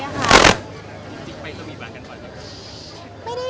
โอเคค่ะ